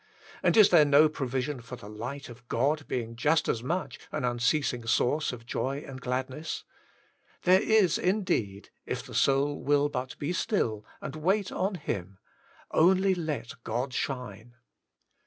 And is there no provision for the light of God being just as much an unceasing source of joy and gladness 1 There is, indeed, if the soul will but be still and wait on Him, only let GtOD SHINE.